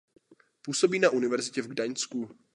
Působí na univerzitě v Gdaňsku.